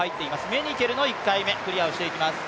メニケルの１回目、クリアをしていきます。